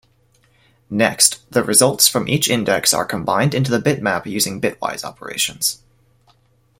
Next, the results from each index are combined into the bitmap using bitwise operations.